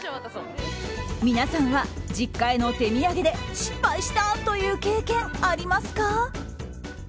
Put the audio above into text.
皆さんは実家への手土産で失敗したという経験ありますか？